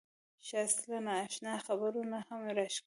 ښایست له نا اشنا خبرو نه هم راښکاري